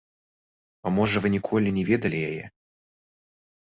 А можа, вы ніколі не ведалі яе.